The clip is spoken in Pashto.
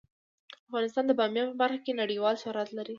افغانستان د بامیان په برخه کې نړیوال شهرت لري.